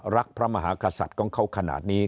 พระมหากษัตริย์ของเขาขนาดนี้